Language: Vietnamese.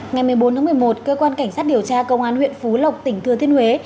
ngày một mươi bốn tháng một mươi một cơ quan cảnh sát điều tra công an huyện phú lộc tỉnh thừa thiên huế